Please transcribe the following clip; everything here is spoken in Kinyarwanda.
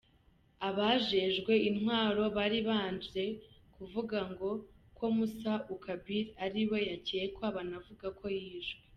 Abajejwe intwaro bari babanje kuvuga ko Moussa Oukabir ariwe yakekwa, banavuga ko yishwe.